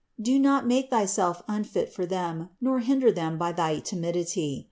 Do not make thyself unfit for them, nor hinder them by thy timidity.